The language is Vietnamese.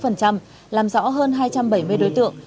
làm rõ hơn hai trăm bảy mươi đối tượng